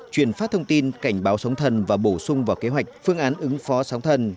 truyền phát thông tin cảnh báo sóng thần và bổ sung vào kế hoạch phương án ứng phó sóng thần